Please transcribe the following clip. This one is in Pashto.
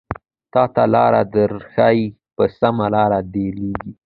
تاته لاره درښايې په سمه لاره دې ليږي